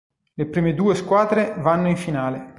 Le prime due squadre vanno in finale.